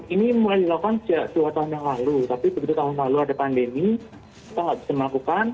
ini mulai dilakukan dua tahun yang lalu tapi begitu tahun lalu ada pandemi kita nggak bisa melakukan